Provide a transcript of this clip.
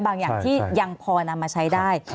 อย่างที่ยังพอนำมาใช้ได้